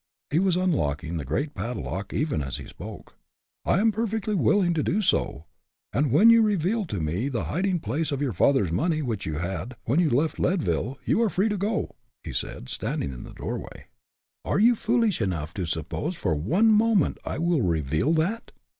He was unlocking the great padlock even as he spoke. "I am perfectly willing to do so, and when you reveal to me the hiding place of your father's money, which you had, when you left Leadville, you are free to go," he said, standing the doorway. "Are you foolish enough to suppose for one moment, that I will reveal that?"